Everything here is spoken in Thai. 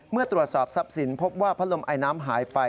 เมื่อตรวจสอบทรัพย์สินพบว่าพัดลมไอน้ำหายไป